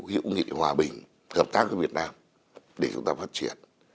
hữu nghị hòa bình hợp tác với việt nam để chúng ta phát triển